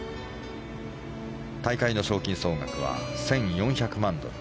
大会の賞金総額は１４００万ドル